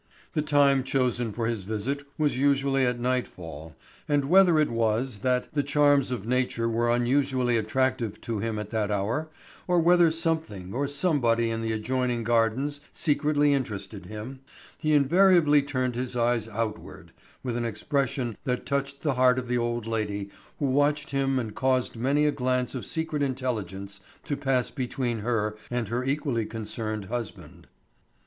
The time chosen for his visit was usually at nightfall, and whether it was that the charms of nature were unusually attractive to him at that hour, or whether something or somebody in the adjoining gardens secretly interested him, he invariably turned his eyes outward, with an expression that touched the heart of the old lady who watched him and caused many a glance of secret intelligence to pass between her and her equally concerned husband.